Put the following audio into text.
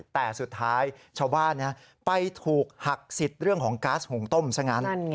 แต่สุดท้ายชาวบ้านไปถูกหักสิทธิ์เรื่องของก๊าซหุงต้มซะงั้น